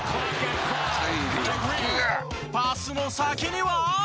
パスの先には。